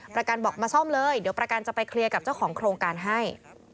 ประกันบอกมาซ่อมเลยเดี๋ยวประกันจะไปเคลียร์กับเจ้าของโครงการให้